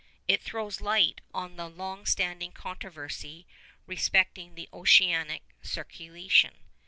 It throws light on the long standing controversy respecting the oceanic circulation.